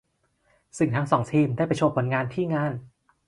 ซึ่งทั้งสองทีมได้ไปโชว์ผลงานที่งาน